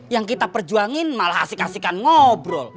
yang kita perjuangin malah asik asikkan ngobrol